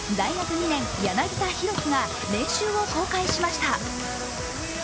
２年・柳田大輝が練習を公開しました。